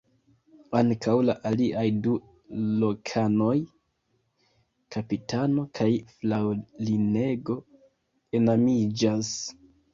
Ankaŭ la aliaj du lokanoj (kapitano kaj fraŭlinego) enamiĝas.